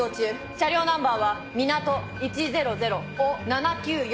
車両ナンバーは「みなと１００お７９４」。